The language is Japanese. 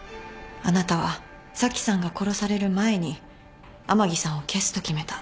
あなたは紗季さんが殺される前に甘木さんを消すと決めた。